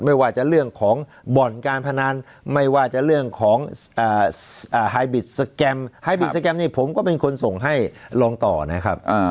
ไม่ว่าจะเรื่องของบ่อนการพนันไม่ว่าจะเรื่องของไฮบิดสแกรมไฮบิสแกรมนี่ผมก็เป็นคนส่งให้ลองต่อนะครับ